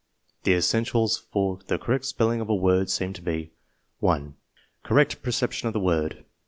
The essentials for the correct spelling of a word seem to be: 1. Correct 'perception of the word.